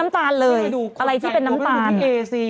มะม่วงสุกก็มีเหมือนกันมะม่วงสุกก็มีเหมือนกัน